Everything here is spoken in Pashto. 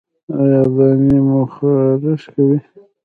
ایا دانې مو خارښ کوي؟